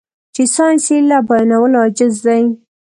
چې ساينس يې له بيانولو عاجز دی.